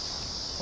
あ。